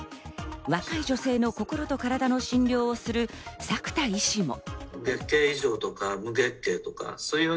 若い女性の心と体の診療する作田医師も。